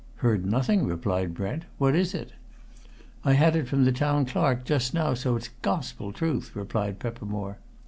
"Heard nothing," replied Brent. "What is it?" "I had it from the Town Clerk just now, so it's gospel truth," replied Peppermore.